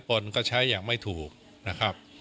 นก็ใช้อย่างไม่ถูกนะครับ